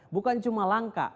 bukan cuma langka